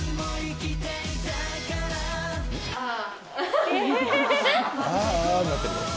ああ。